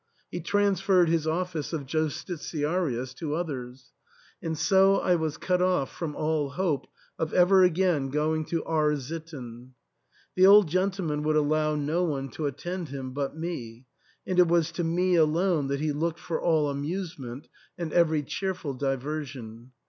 He transferred his office of Justitiarius to others ; and so I was cut off from all hope of ever again going to R — sitten. The old gentle man would allow no one to attend him but me ; and it was to me alone that he looked for all amusement and every cheerful diversion.